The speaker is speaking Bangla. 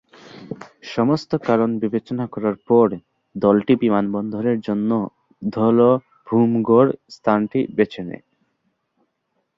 সমস্ত কারণ বিবেচনা করার পর, দলটি বিমানবন্দরের জন্য ধলভূমগড় স্থানটি বেছে নেয়।